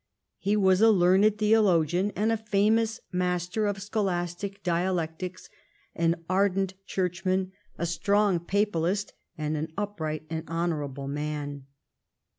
He was a learned theologian and a famous master of scholastic dialectics, an ardent churchman, a strong papalist, and an upright and honourable man.